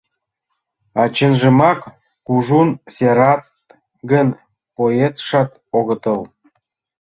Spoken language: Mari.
А чынжымак кужун серат гын, поэтшат огытыл.